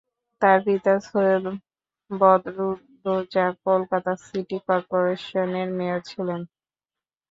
তার পিতা সৈয়দ বদরুদ্দোজা কলকাতা সিটি কর্পোরেশনের মেয়র ছিলেন।